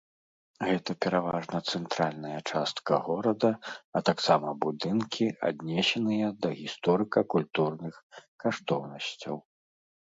Гэта пераважна цэнтральная частка горада, а таксама будынкі, аднесеныя да гісторыка-культурных каштоўнасцяў.